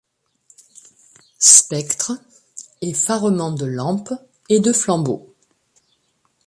Spectres ; effarements de lampe et de flambeau ;